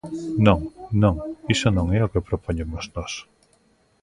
Non, non, iso non é o que propoñemos nós.